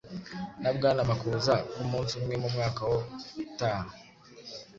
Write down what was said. na Bwana Makuza ko umunsi umwe mu mwaka wa utaha